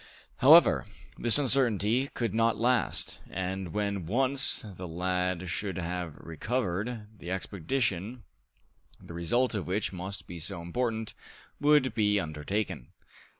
However, this uncertainty could not last, and when once the lad should have recovered, the expedition, the result of which must be so important, would be undertaken.